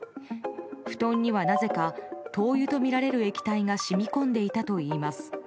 布団にはなぜか灯油とみられる液体が染み込んでいたといいます。